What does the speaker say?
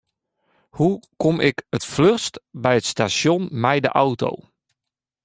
Hoe kom ik it fluchst by it stasjon mei de auto?